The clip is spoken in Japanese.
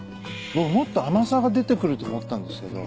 僕もっと甘さが出てくると思ったんですけど